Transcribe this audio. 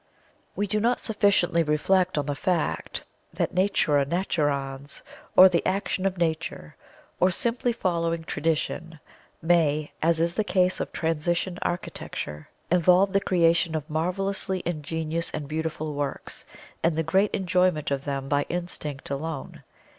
We do not sufficiently reflect on the fact that Natura naturans, or the action of Nature (or simply following Tradition), may, as is the case of Transition Architecture, involve the creation of marvelously ingenious and beautiful works, and the great enjoyment of them by Instinct alone.